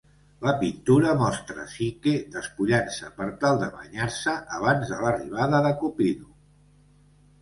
La pintura mostra Psique despullant-se per tal de banyar-se abans de l'arribada de Cupido.